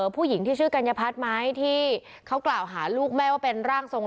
ผู้หญิงที่ชื่อกัญญพัฒน์ไหมที่เขากล่าวหาลูกแม่ว่าเป็นร่างทรง